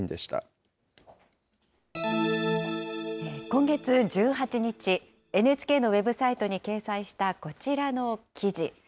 今月１８日、ＮＨＫのウェブサイトに掲載したこちらの記事。